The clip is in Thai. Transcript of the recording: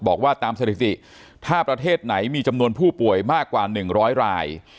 บอกว่าตามสถิติถ้าประเทศไหนมีจำนวนผู้ป่วยมากกว่า๑๐๐ราย